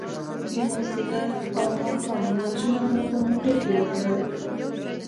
د ماذيګر او ماښام لمونځونه مو په موټر کې وکړل.